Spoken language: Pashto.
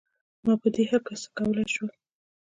ما په دې هکله څه کولای شول؟